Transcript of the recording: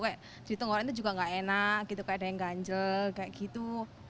jadi tenggorokan itu juga gak enak kayak ada yang ganjel kayak gitu